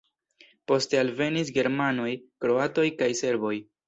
Poste alvenis germanoj, kroatoj kaj serboj.